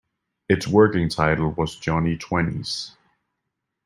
Its working title was "Johnny Twennies".